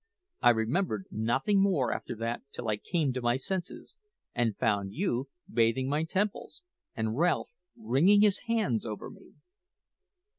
I remembered nothing more after that till I came to my senses, and found you bathing my temples, and Ralph wringing his hands over me."